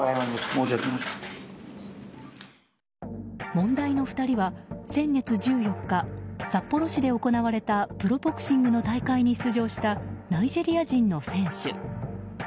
問題の２人は先月１４日札幌市で行われたプロボクシングの大会に出場したナイジェリア人の選手。